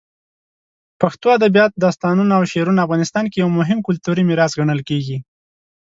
پښتو ادبیات، داستانونه، او شعرونه افغانستان کې یو مهم کلتوري میراث ګڼل کېږي.